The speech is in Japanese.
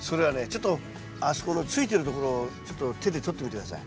ちょっとあそこのついてるところをちょっと手でとってみて下さい。